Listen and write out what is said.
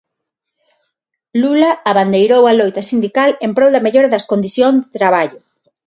Lula abandeirou a loita sindical en prol da mellora das condición de traballo